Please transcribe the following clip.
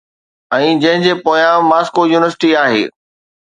۽ جنهن جي پويان ماسڪو يونيورسٽي آهي.